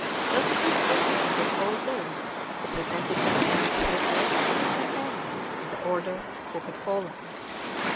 Thus proof was made of all those who presented themselves to replace any companions of the order who had fallen.